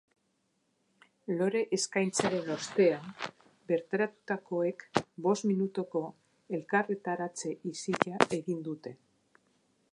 Lore eskaintzaren ostean, bertaratutakoek bost minutuko elkarretaratze isila egin dute.